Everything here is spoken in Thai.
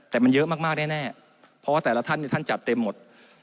แต่มันเยอะมากแน่เพราะว่าแต่ละท่านท่านจัดเต็มหมด